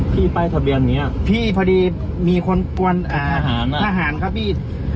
ป้ายทะเบียนนี้พี่พอดีมีคนปวนอาหารครับพี่